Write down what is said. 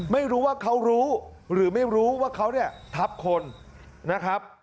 ไม่รู้ว่าเขารู้หรือไม่รู้ว่าเขาเนี่ยทับคนนะครับ